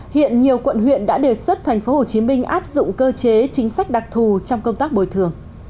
hiện nhiều quận huyện đã đề xuất tp hcm áp dụng cơ chế chính sách đặc thù trong công tác bồi thường